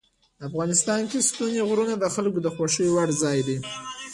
افغانستان کې ستوني غرونه د خلکو د خوښې وړ ځای دی.